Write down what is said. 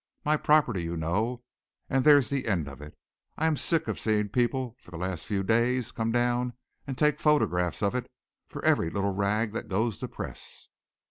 My property, you know, and there's the end of it. I am sick of seeing people for the last few days come down and take photographs of it for every little rag that goes to press."